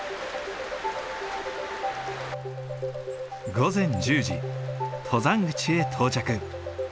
午前１０時登山口へ到着。